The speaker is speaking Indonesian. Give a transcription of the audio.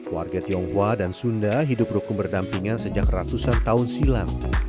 warga tionghoa dan sunda hidup rukun berdampingan sejak ratusan tahun silam